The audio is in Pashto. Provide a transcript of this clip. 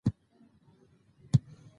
دځنګل حاصلات د افغانانو د ژوند طرز اغېزمنوي.